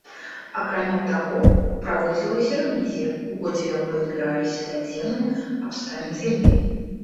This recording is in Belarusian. Акрамя таго, праводзілася рэвізія, у ходзе якой збіраліся дадзеныя аб стане зямель.